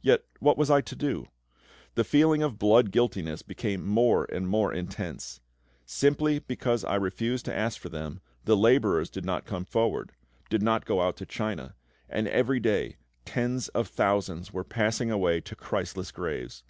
Yet, what was I to do? The feeling of blood guiltiness became more and more intense. Simply because I refused to ask for them, the labourers did not come forward did not go out to China and every day tens of thousands were passing away to Christless graves!